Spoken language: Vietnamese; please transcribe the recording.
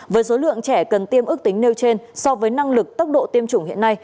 với số lượng trẻ cần tiêm ước tính nêu trên so với năng lực tốc độ tiêm chủng hiện nay